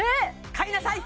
買いなさい！